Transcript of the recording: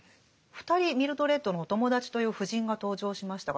２人ミルドレッドのお友達という夫人が登場しましたが。